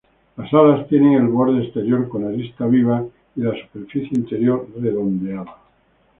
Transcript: Las alas tienen el borde exterior con arista viva y la superficie interior redondeada.